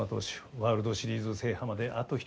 ワールドシリーズ制覇まであと１人。